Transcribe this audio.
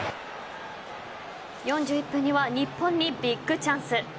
４１分には日本にビッグチャンス。